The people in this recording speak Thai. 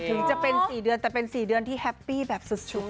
ถึงจะเป็น๔เดือนแต่เป็น๔เดือนที่แฮปปี้แบบสุด